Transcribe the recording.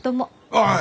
ああ！